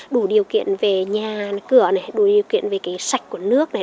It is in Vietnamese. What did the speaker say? đủ điều kiện về nhà cửa này đủ điều kiện về cái sạch của nước này